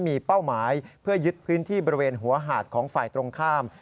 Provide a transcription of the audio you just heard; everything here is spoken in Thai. มีเป้าหมายเพื่อยึดพื้นที่บริเวณหัวหาดของฝ่ายตรงข้าม